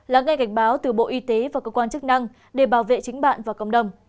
lắng nghe cảnh báo từ bộ y tế và cơ quan chức năng để bảo vệ chính bạn và cộng đồng